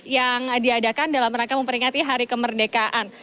yang diadakan dalam rangka memperingati hari kemerdekaan